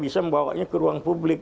saya tidak membawanya ke ruang publik